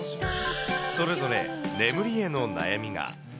それぞれ、眠りへの悩みが。